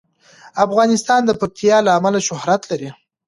افغانستان د پکتیا له امله شهرت لري.